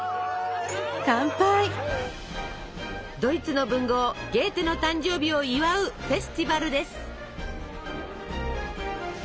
ドイツの文豪ゲーテの誕生日を祝うフェスティバルです。